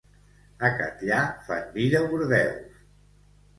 A Catllar, fan vi de Bordeus.